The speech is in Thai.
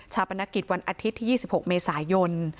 ปนกิจวันอาทิตย์ที่๒๖เมษายน